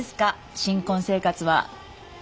新婚生活は。